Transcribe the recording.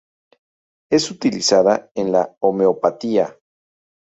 Es utilizada en la homeopatía.